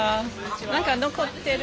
何か残ってる？